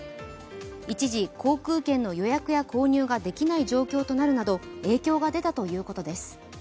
一時、航空券の予約や購入ができない状況となるなど影響が出たということです。